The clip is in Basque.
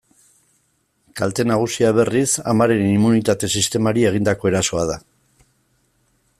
Kalte nagusia, berriz, amaren immunitate-sistemari egindako erasoa da.